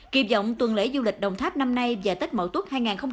kịp dọng tuần lễ du lịch đồng tháp năm nay và tết mậu tuất hai nghìn một mươi tám